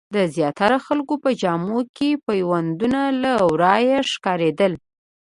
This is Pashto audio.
د زیاترو خلکو په جامو کې پیوندونه له ورايه ښکارېدل.